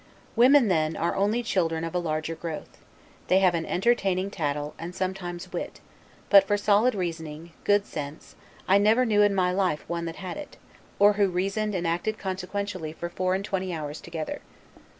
Women, then, are only children of a larger growth; they have an entertaining tattle, and sometimes wit; but for solid reasoning, good sense, I never knew in my life one that had it, or who reasoned or acted consequentially for four and twenty hours together.